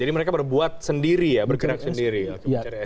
jadi mereka berbuat sendiri ya bergerak sendiri